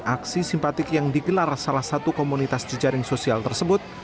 aksi simpatik yang digelar salah satu komunitas jejaring sosial tersebut